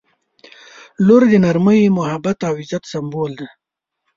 • لور د نرمۍ، محبت او عزت سمبول دی.